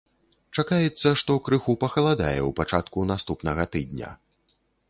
Чакаецца, што крыху пахаладае ў пачатку наступнага тыдня.